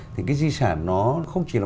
thì cái di sản nó không chỉ là